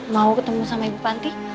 mau ketemu sama ibu panti